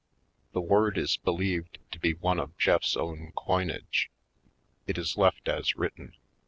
— The word is believed to be one of Jeff's own coinage. It is left as written.